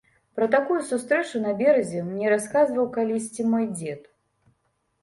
Пра такую сустрэчу на беразе мне расказваў калісьці мой дзед.